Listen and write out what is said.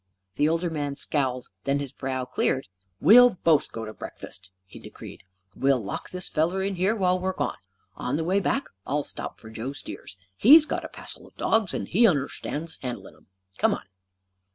The older man scowled; then his brow cleared. "We'll both go up to breakfast," he decreed. "We'll lock this feller in here while we're gone. On the way back I'll stop for Joe Stears. He's got a passel of dogs; and he und'stands handlin' 'em. Come on."